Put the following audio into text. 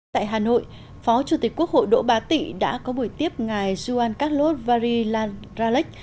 tại hà nội phó chủ tịch quốc hội đỗ bá tị đã có buổi tiếp ngày juan carlos varela ralex